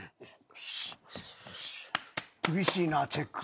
よし。